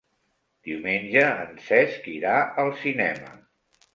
Diumenge en Cesc irà al cinema.